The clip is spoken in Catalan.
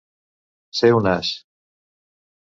Ser un as.